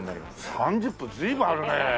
３０分随分あるね。